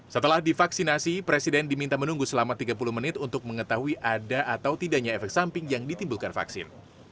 setelah divaksinasi presiden diminta menunggu selama tiga puluh menit untuk mengetahui ada atau tidaknya efek samping yang ditimbulkan vaksin